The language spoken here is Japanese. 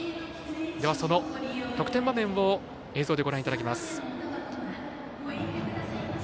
その得点場面を映像でご覧いただきます。